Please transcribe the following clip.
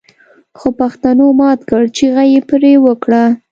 خوپښتنو مات کړ چيغه يې پرې وکړه